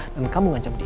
dan kamu yang ngajak dia